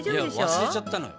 忘れちゃったのよ。